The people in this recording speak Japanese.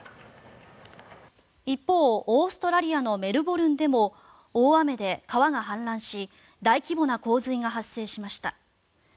一方、オーストラリアのメルボルンでも大雨で川が氾濫し大規模な洪水が発生しました。